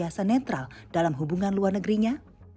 harus senantiasa netral dalam hubungan luar negerinya